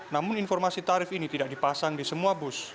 namun informasi tarif ini tidak dipasang di semua bus